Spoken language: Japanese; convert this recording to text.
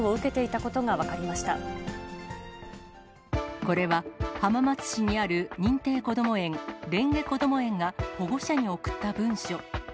これは、浜松市にある認定こども園、れんげこども園が保護者に送った文書。